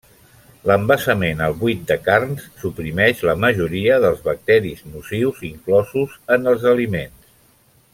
L'envasament al buit de carns suprimeix la majoria dels bacteris nocius inclosos en els aliments.